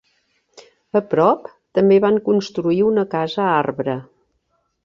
A prop, també van construir una casa-arbre.